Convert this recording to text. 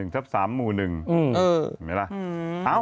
๑ทับ๓หมู่๑เห็นไหมละ